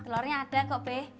telurnya ada kok beh